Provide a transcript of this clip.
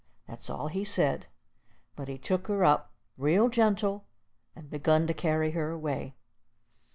That's all he said, but he took her up real gentle, and begun to carry her away.